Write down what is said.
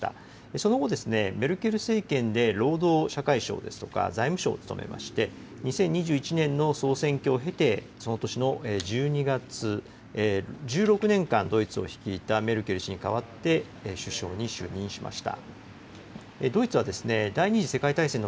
その後、メルケル政権で労働車掌ですとか、財務相を務めまして、２０２１年の総選挙を経て、その年の１２月、１６年間ドイツを率いたメルケル氏に代わって首相に就任しました。